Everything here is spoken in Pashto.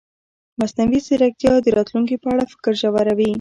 مصنوعي ځیرکتیا د راتلونکي په اړه فکر ژوروي.